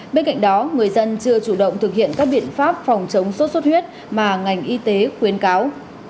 bên cạnh đó người dân chưa chủ động thực hiện các biện pháp phòng chống sốt xuất huyết mà ngành y tế khuyến cáo